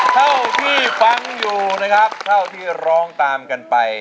เท่าที่ฟังอยู่นะครับเท่าที่ร้องตามกันไป